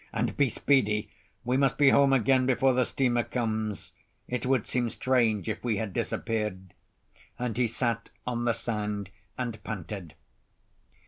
And be speedy. We must be home again before the steamer comes; it would seem strange if we had disappeared." And he sat on the sand and panted.